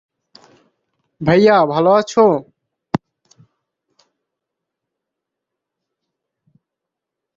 College জীবনেই মহম্মদ সেলিম ছাত্র রাজনীতিতে যুক্ত হয়ে পড়েন।